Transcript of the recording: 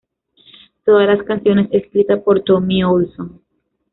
Todas las canciones escritas por Tommy Olsson.